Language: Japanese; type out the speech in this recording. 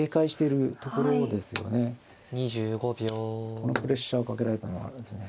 このプレッシャーをかけられたのはですね